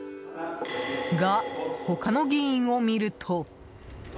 が、他の議員を見ると。